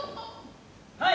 はい！